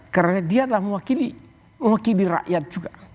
karena dia adalah mewakili mewakili rakyat juga